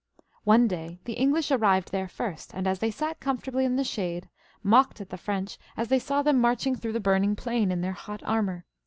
One day the English arrived there first, and as they sat com fortably in the shade, mocked at the French as they saw them marching through the burning plain in their hot armour.